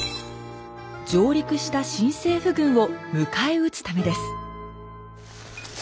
上陸した新政府軍を迎え撃つためです。